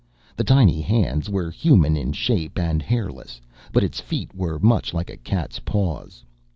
The tiny hands were human in shape and hairless, but its feet were much like a cat's paws.